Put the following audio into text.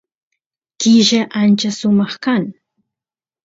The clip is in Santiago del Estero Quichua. killa ancha sumaq kan